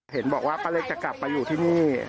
เห็นบอกว่าป้าเล็กจะกลับไปอยู่ที่นี่